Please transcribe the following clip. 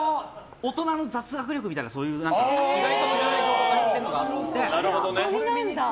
「大人の雑学力」みたいな意外と知らない情報が載ってる本があって。